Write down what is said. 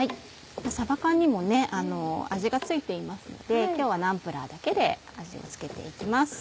さば缶にも味が付いていますので今日はナンプラーだけで味を付けて行きます。